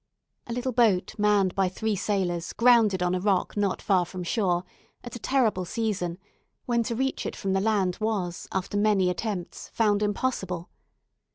A little boat, manned by three sailors, grounded on a rock not far from shore, at a terrible season, when to reach it from the land was, after many attempts, found impossible.